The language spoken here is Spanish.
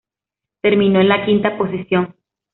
Terminó en la quinta posición.